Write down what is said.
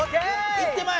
いってまえ！